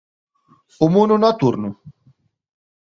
O Mono Nocturno?